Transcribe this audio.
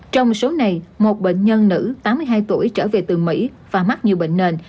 trong số này một bệnh nhân nữ tám mươi hai tuổi trở về từ mỹ và mắc nhiều bệnh nền